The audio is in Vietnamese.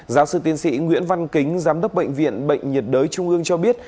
giáo sư tiến sĩ nguyễn văn kính giám đốc bệnh viện bệnh nhiệt đới trung ương cho biết